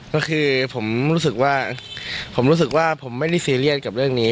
ก็คือผมรู้สึกว่าผมรู้สึกว่าผมไม่ได้ซีเรียสกับเรื่องนี้